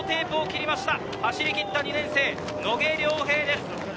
走りきった２年生・野下稜平です。